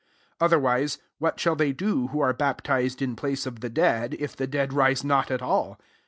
29 Otherwise, what shall they do, who are baptised in place of the dead, if the dead rise not at all